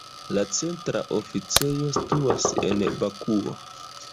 La centra oficejo situas en Bakuo.